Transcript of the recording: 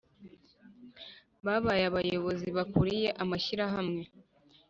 Babaye abayobozi bakuriye amashyirahamwe